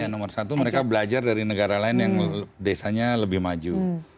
nomor satu mereka belajar dari negara lain yang desanya lebih maju